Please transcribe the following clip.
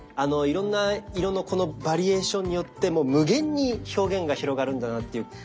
いろんな色のこのバリエーションによっても無限に表現が広がるんだなっていう。